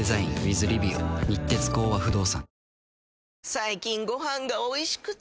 最近ご飯がおいしくて！